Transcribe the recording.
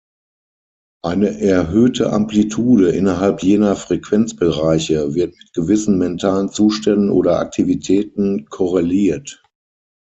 Eine erhöhte Amplitude innerhalb jener Frequenzbereiche wird mit gewissen mentalen Zuständen oder Aktivitäten korreliert.